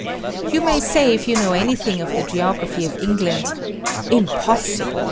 You may say, if you know anything of the geography of England, "Impossible!